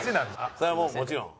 それはもうもちろん。